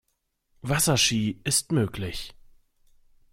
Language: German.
Wasserski ist möglich.